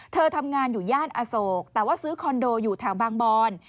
เธอทำงานอยู่ย่านอโศกแต่ว่าซื้อคอนโดอยู่แถวบางบอน